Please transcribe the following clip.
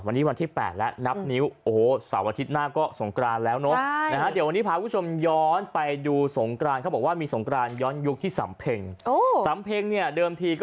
วันนี้วันที่๘และนับนิ้ว